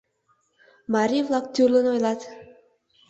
Марий-влак тӱрлын ойлат: